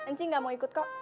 enci gak mau ikut kok